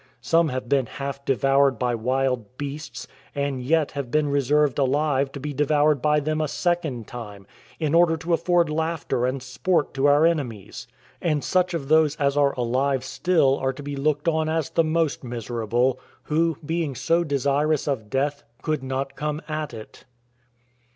Some have been half devoured by wild beasts, and yet have been reserved alive to be devoured by them a second time, in order to afford laughter and sport to our enemies; and such of those as are alive still are to be looked on as the most miserable, who, being so desirous of death, could not come at it.